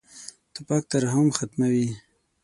توپک ترحم ختموي.